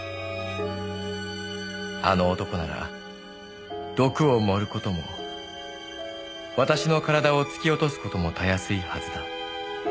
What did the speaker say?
「あの男なら毒を盛ることも私の体を突き落とすことも容易いはずだ」